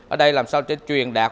ở đây làm sao để truyền đạt